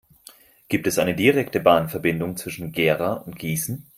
Gibt es eine direkte Bahnverbindung zwischen Gera und Gießen?